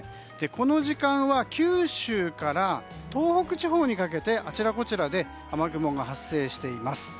この時間は九州から東北地方にかけてあちらこちらで雨雲が発生しています。